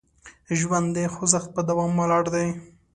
ژوند د خوځښت په دوام ولاړ دی.